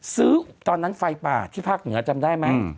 ตอนนั้นไฟป่าที่ภาคเหนือจำได้ไหม